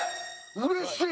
うれしい！